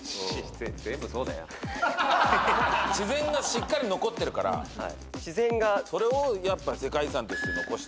自然がしっかり残ってるからそれをやっぱ世界遺産として残したい。